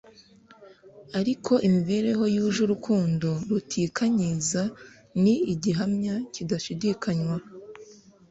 ariko imibereho yuje urukundo rutikanyiza ni igihamya kidashidikanywa.